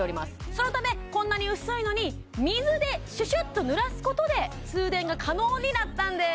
そのためこんなに薄いのに水でシュシュッとぬらすことで通電が可能になったんです